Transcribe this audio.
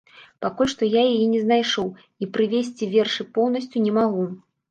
Пакуль што я яе не знайшоў і прывесці вершы поўнасцю не магу.